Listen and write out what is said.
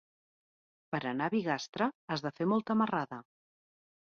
Per anar a Bigastre has de fer molta marrada.